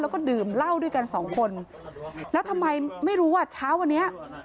แล้วก็ดื่มเหล้าด้วยกันสองคนแล้วทำไมไม่รู้ว่าเช้าวันนี้